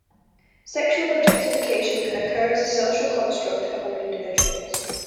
Sexual objectification can occur as a social construct among individuals.